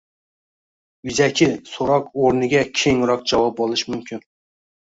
yuzaki so‘roq o‘rniga kengroq javob olish mumkin